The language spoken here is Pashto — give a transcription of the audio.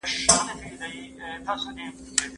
آیا د پلار نصیحت تر بل نصیحت دلسوز دی؟